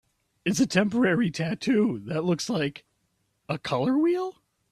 It's a temporary tattoo that looks like... a color wheel?